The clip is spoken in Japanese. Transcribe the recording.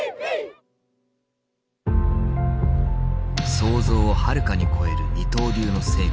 想像をはるかに超える二刀流の成功。